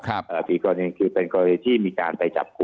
ท่านรองโฆษกครับ